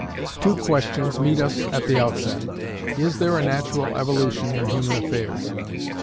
Two questions meet us at the outset: Is there a natural evolution in human affairs?